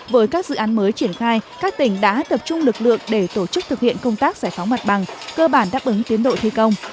với các dự án mới triển khai các tỉnh đã tập trung lực lượng để tổ chức thực hiện công tác giải phóng mặt bằng cơ bản đáp ứng tiến độ thi công